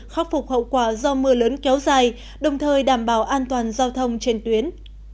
khắc phục hậu quả do mưa lớn kéo dài đồng thời đảm bảo an toàn giao thông trên tuyến